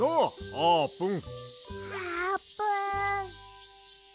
あーぷん。